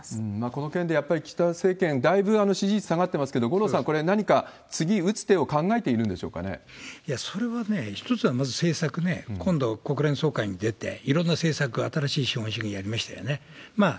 この件でやっぱり岸田政権、だいぶ支持率下がっていますけれども、これ、何か次、打つ手を考それは一つは、まず政策ね、今度、国連総会に出て、いろんな政策、新しい資本主義やりましたよね。